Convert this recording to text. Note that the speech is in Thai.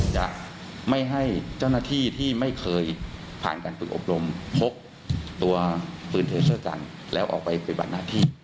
จะไม่ให้เจ้าหน้าที่ที่ไม่เคยผ่านการฝึกอบรมพกตัวปืนเทเซอร์กันแล้วออกไปปฏิบัติหน้าที่